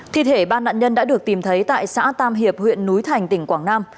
thi thể ba nạn nhân đã được tìm thấy tại xã tam hiệp huyện núi thành tỉnh quảng nam